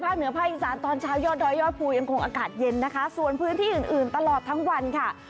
เหนือภาคอีสานตอนเช้ายอดดอยยอดภูยังคงอากาศเย็นนะคะส่วนพื้นที่อื่นอื่นตลอดทั้งวันค่ะ